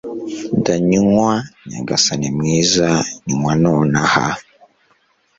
Ndanywa nyagasani mwiza nywa nonaha